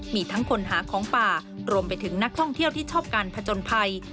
มีทั้งคนหาของป่ารวมไปถึงนักท่องเที่ยวที่ชอบการผจญภัย